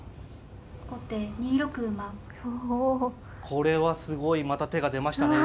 これはすごいまた手が出ましたね。